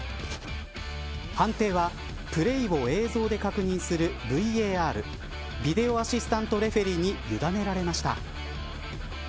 判定はプレーを映像で確認するＶＡＲビデオ・アシスタント・レフェリーにゆだねられました。